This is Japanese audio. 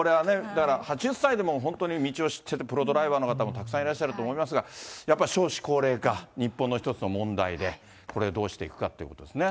８０歳まで、本当に道を知っててプロドライバーの方もたくさんいらっしゃると思いますが、やっぱり少子高齢化、日本の１つの問題で、これ、どうしていくかということですね。